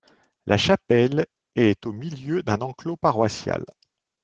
La chapelle est au milieu d'un enclos paroissial.